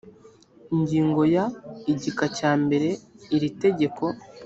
ingingo ya igika cyambere iri tegeko